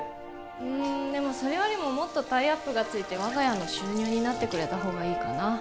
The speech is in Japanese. うんでもそれよりももっとタイアップがついて我が家の収入になってくれた方がいいかな